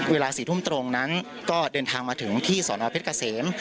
เวลา๔ทุ่มตรงนั้นก็เดินทางมาถึงที่สพวน้ำเย็น